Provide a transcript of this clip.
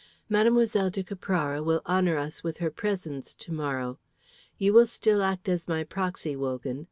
"Mlle. de Caprara will honour us with her presence to morrow. You will still act as my proxy, Wogan.